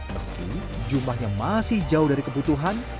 meski jumlahnya masih jauh dari kebutuhan